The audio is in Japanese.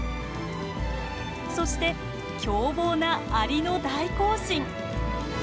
そして凶暴なアリの大行進。